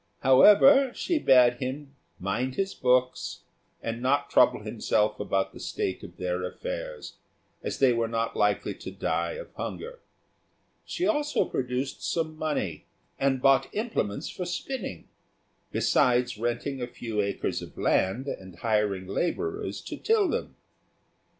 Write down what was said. However, she bade him mind his books, and not trouble himself about the state of their affairs, as they were not likely to die of hunger. She also produced some money, and bought implements for spinning, besides renting a few acres of land and hiring labourers to till them.